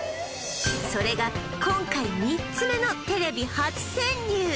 それが今回３つ目のテレビ初潜入！